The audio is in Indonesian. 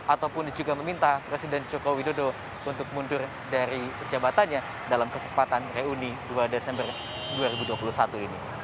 ataupun juga meminta presiden joko widodo untuk mundur dari jabatannya dalam kesempatan reuni dua desember dua ribu dua puluh satu ini